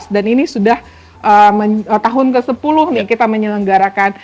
dan ini sudah tahun ke sepuluh nih kita menyelenggarakan